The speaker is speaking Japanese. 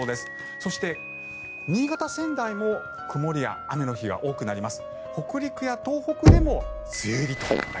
そして、新潟、仙台も曇りや雨の日が多くなります。